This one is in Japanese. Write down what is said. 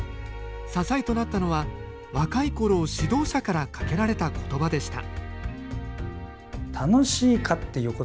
支えとなったのは、若いころ、指導者からかけられたことばでした。